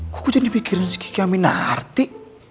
kok gue jadi mikirin si kiki aminarti